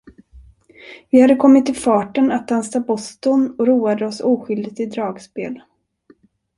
Vi hade kommit i farten att dansa boston och roade oss oskyldigt till dragspel.